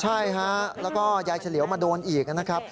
ใช่ฮะแล้วก็ยายเฉลียวมาโดนอีกนะครับ